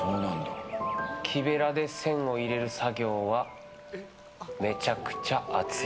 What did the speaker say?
木べらで線を入れる作業はめちゃくちゃ熱い。